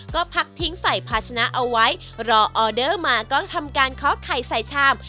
ก็พักทิ้งใส่ภาชนะเอาไว้รอออเดอร์มาก็ทำการเคาะไข่ใส่ชาม